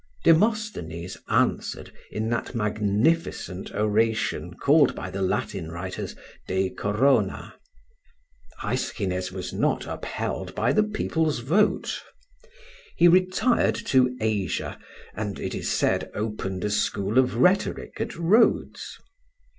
Demosthenes answered in that magnificent oration called by the Latin writers 'De Corona' Aeschines was not upheld by the people's vote. He retired to Asia, and, it is said, opened a school of rhetoric at Rhodes.